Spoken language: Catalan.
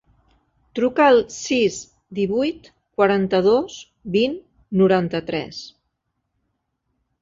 Truca al sis, divuit, quaranta-dos, vint, noranta-tres.